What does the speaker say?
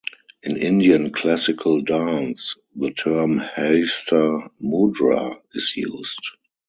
In Indian classical dance, the term "Hasta Mudra" is used.